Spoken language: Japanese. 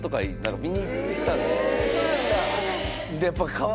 そうなんだ。